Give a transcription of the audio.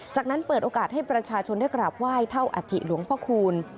จากนั้นเปิดโอกาสให้ประชาชนได้กราบไหว้เท่าอัฐิหลวงพระคูณ